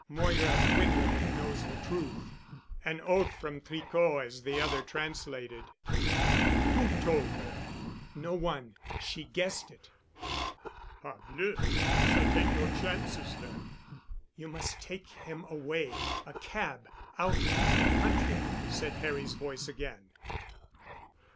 "Moira Quinlevin knows the truth." An oath from Tricot as the other translated. "Who told her?" "No one. She guessed it." "Parbleu! We shall take no chances then." "You must take him away—a cab—out into the country," said Harry's voice again.